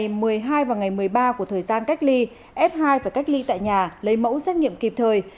chủ tịch ubnd tp yêu cầu các đơn vị tập trung và truy tìm f một và f hai của thời gian cách ly f hai phải cách ly tại nhà lấy mẫu xét nghiệm kịp thời